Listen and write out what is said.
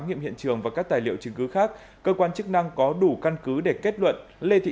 nghiệm hiện trường và các tài liệu chứng cứ khác cơ quan chức năng có đủ căn cứ để kết luận lê thị